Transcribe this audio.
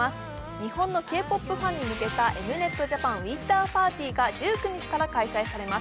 日本のＫ−ＰＯＰファンに向けた「ＭｎｅｔＪａｐａｎＷｉｎｔｅｒＰａｒｔｙ」が１９日から開催されます。